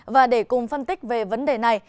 và để cùng phân tích về vấn đề này